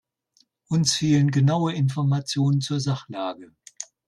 Uns fehlen genaue Informationen zur Sachlage.